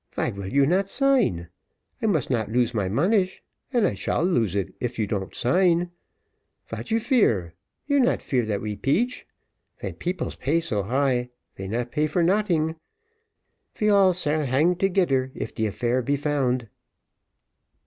"Vy vill you not sign? I must not lose my monish, and I shall lose it if you do not sign. Vat you fear you not fear that we peach; ven peoples pay so high, they not pay for noting. We all sall hang togeder if de affair be found."